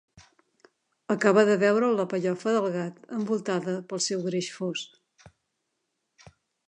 Acaba de veure la pellofa del gat envoltada pel seu greix fos.